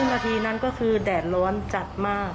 นาทีนั้นก็คือแดดร้อนจัดมาก